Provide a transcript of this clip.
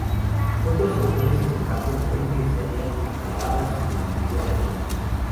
Otros Autores sin embargo creen que estaría enclavadas en la antigua Regina.